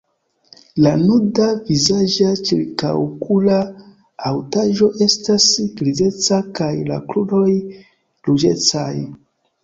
La nuda vizaĝa ĉirkaŭokula haŭtaĵo estas grizeca kaj la kruroj ruĝecaj.